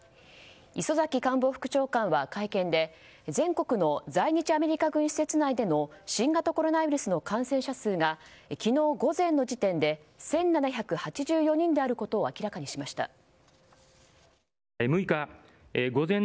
磯崎官房副長官は会見で全国の在日アメリカ軍施設内での新型コロナウイルスの感染者数が昨日午前の時点で１７８４人であることを明らかにしました。